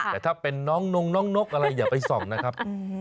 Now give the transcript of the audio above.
แต่ถ้าเป็นน้องนงน้องนกอะไรอย่าไปส่องนะครับ